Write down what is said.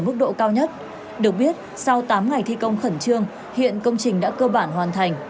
mức độ cao nhất được biết sau tám ngày thi công khẩn trương hiện công trình đã cơ bản hoàn thành